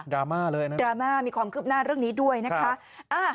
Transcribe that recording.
ราม่าเลยนะดราม่ามีความคืบหน้าเรื่องนี้ด้วยนะคะ